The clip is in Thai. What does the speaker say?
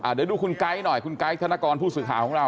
เดี๋ยวดูคุณไก๊หน่อยคุณไกด์ธนกรผู้สื่อข่าวของเรา